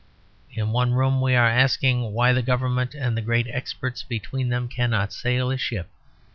In one room we are asking why the Government and the great experts between them cannot sail a ship.